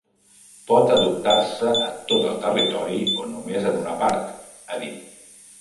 Pot adoptar-se a tot el territori o només en una part, ha dit.